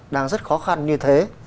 đang rất khó khăn như thế